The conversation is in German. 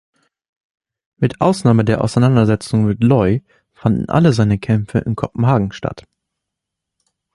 Mit Ausnahme der Auseinandersetzung mit Loi fanden alle seine Kämpfe in Kopenhagen statt.